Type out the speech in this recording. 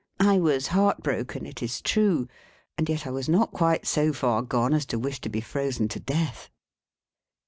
I was heart broken, it is true, and yet I was not quite so far gone as to wish to be frozen to death.